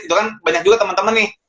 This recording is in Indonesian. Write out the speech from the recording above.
itu kan banyak juga temen temen nih